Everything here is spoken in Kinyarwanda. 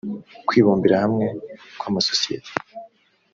kwibumbira hamwe kw amasosiyete